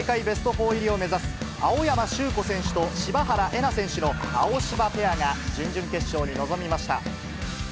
ベスト４入りを目指す、青山修子選手と柴原瑛菜選手のアオシバペアが準々決勝に臨みました。